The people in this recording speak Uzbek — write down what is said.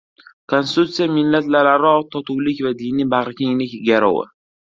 Konstitutsiya – millatlararo totuvlik va diniy bag‘rikenglik garovi